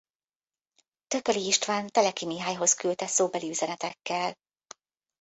Thököly István Teleki Mihályhoz küldte szóbeli üzenetekkel.